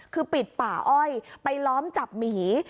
คือปิดป่าอ้อยไปล้อมจับหมี